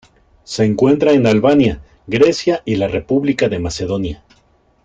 Se encuentra en Albania, Grecia y la República de Macedonia.